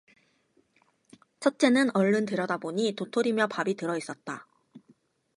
첫째는 얼른 들여다보니 도토리며 밥이 들어 있었다.